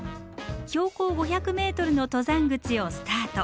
標高５００ｍの登山口をスタート。